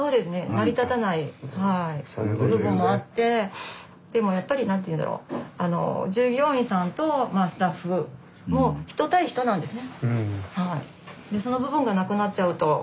成り立たない部分もあってでもやっぱり何ていうんだろう従業員さんとスタッフもそうですね。